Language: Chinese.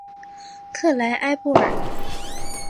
克莱埃布尔。